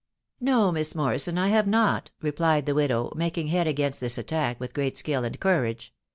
" No, Mias Morrison, I thave mot/' replied the widow, making head against this attack with great skill and courage.